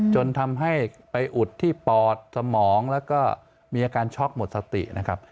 จนทำให้ไปอุดที่ปอดสมองแล้วก็มีอาการช็อกหมดสตินะครับ